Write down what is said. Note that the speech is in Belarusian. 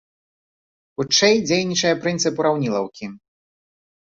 Хутчэй, дзейнічае прынцып ураўнілаўкі.